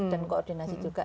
dan koordinasi juga